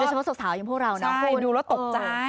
โดยเฉพาะสุขสาวอย่างพวกเรานะคุณใช่ดูแล้วตกใจ